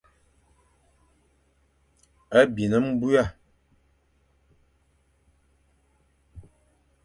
A bin nbuan.